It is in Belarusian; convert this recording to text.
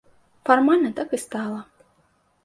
Фармальна так і стала.